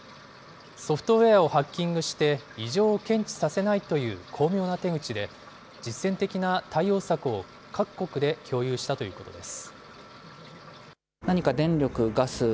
ソフトウエアをハッキングして、異常を検知させないという巧妙な手口で、実践的な対応策を各国で共有したということです。